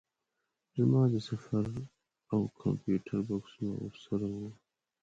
زما د سفر او کمپیوټر بکسونه ورسره وو.